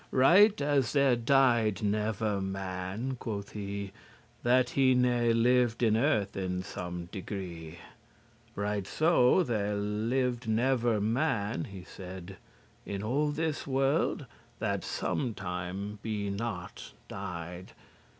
"Right as there died never man," quoth he, "That he ne liv'd in earth in some degree*, *rank, condition Right so there lived never man," he said, "In all this world, that sometime be not died.